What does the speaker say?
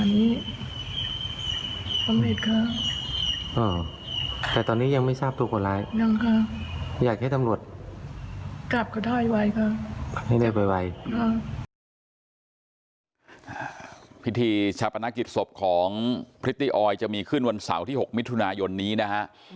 พิธีชาปนกิจศพของพริตตี้ออยจะมีขึ้นวันเสาร์ที่๖มิถุนายนนี้นะฮะ